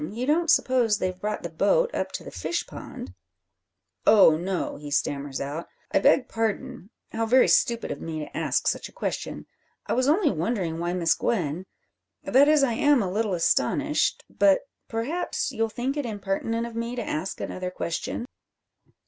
You don't suppose they've brought the boat up to the fishpond!" "Oh, no," he stammers out. "I beg pardon. How very stupid of me to ask such a question. I was only wondering why Miss Gwen that is, I am a little astonished but perhaps you'll think it impertinent of me to ask another question?"